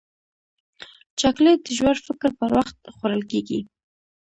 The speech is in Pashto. چاکلېټ د ژور فکر پر وخت خوړل کېږي.